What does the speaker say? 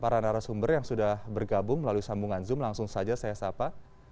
para narasumber yang sudah bergabung melalui sambungan zoom langsung saja saya sapa